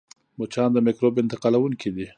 مچان د مکروب انتقالوونکي دي